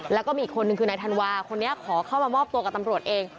แล้วก็มีอีกคนนึงคือนายธันวาคนนี้ขอเข้ามามอบตัวกับตำรวจเอง